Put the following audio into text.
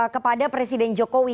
kepada presiden jokowi